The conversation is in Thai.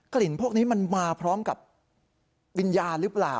พวกนี้มันมาพร้อมกับวิญญาณหรือเปล่า